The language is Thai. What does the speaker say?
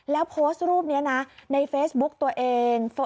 แล้วโพสต์รูปนี้นะในเฟซบุ๊กตัวเอง